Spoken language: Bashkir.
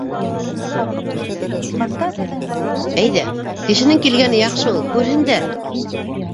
— Әйҙә, кешенең килгәне яҡшы ул. Күрһендәр.